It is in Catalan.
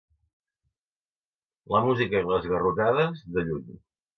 La música i les garrotades, de lluny.